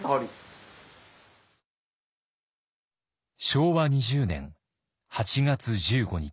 昭和２０年８月１５日。